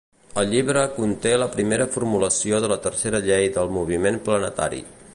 El llibre conté la primera formulació de la tercera llei del moviment planetari.